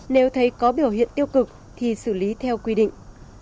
nếu thấy có biểu hiện tiêu cực thì xử lý theo quy định